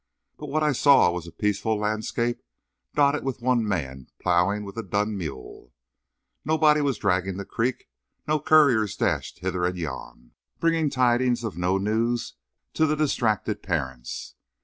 But what I saw was a peaceful landscape dotted with one man ploughing with a dun mule. Nobody was dragging the creek; no couriers dashed hither and yon, bringing tidings of no news to the distracted parents.